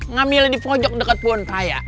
ngambil di pojok deket pun